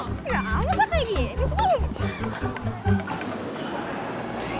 gak apa apa kayak gini aja sih